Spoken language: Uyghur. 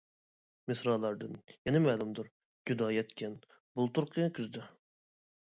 مىسرالاردىن يەنە مەلۇمدۇر، جۇدا يەتكەن «بۇلتۇرقى كۈزدە» .